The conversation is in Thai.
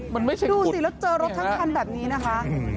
ดูสิแล้วเจอรถทั้งคันแบบนี่นะคะ